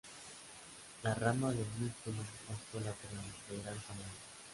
La rama del músculo vasto lateral, de gran tamaño.